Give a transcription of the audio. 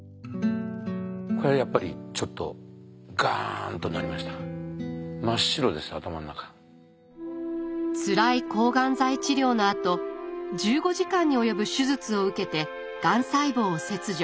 これはやっぱりちょっとつらい抗がん剤治療のあと１５時間に及ぶ手術を受けてがん細胞を切除。